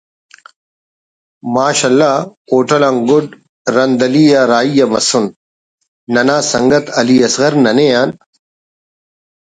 ماشاء اللہ hotel on good رندعلی آ راہی مسن ننا سنگت علی اصغر ننے آن